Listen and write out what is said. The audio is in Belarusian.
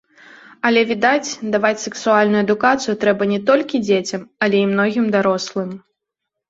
Але відаць, даваць сэксуальную адукацыю трэба не толькі дзецям, але і многім дарослым.